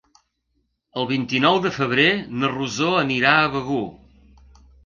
El vint-i-nou de febrer na Rosó anirà a Begur.